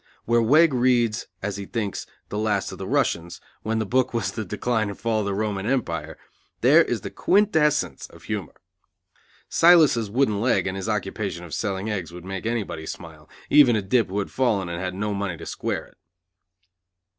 Where Wegg reads, as he thinks, The Last of the Russians, when the book was The Decline and Fall Of the Roman Empire, there is the quintessence of humor. Silas's wooden leg and his occupation of selling eggs would make anybody smile, even a dip who had fallen and had no money to square it.